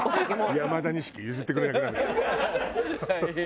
山田錦譲ってくれなくなる。